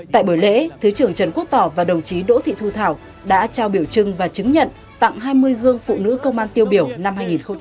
tại bữa lễ thứ trưởng trần quốc tỏ và đồng chí đỗ thị thu thảo đã trao biểu trưng và chứng nhận tặng hai mươi gương phụ nữ công an tiêu biểu năm hai nghìn hai mươi ba